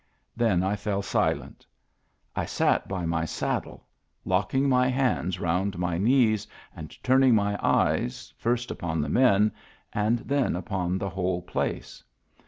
Then I fell silent. I sat by my saddle, lock ing my hands round my knees, and turning my eyes first upon the men, and then upon the whole place.